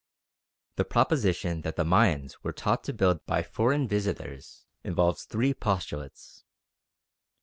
The proposition that the Mayans were taught to build by foreign visitors involves three postulates.